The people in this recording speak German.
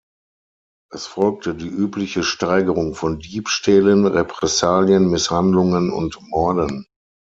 Es folgte die übliche Steigerung von Diebstählen, Repressalien, Misshandlungen und Morden.